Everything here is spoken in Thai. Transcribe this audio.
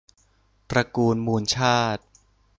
ตระกูลมูลชาติ